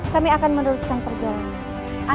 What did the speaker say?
kami akan meneruskan perjalanan